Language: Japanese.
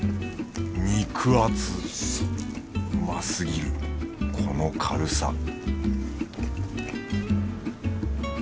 肉厚うますぎるこの軽さ